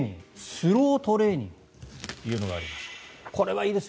スロートレーニングというのがあります。